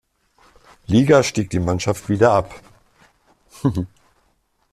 Liga stieg die Mannschaft wieder ab.